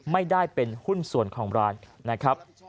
ไม่ได้เป็นหุ้นส่วนของร้านนะครับ